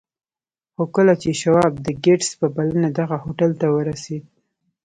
خو کله چې شواب د ګيټس په بلنه دغه هوټل ته ورسېد.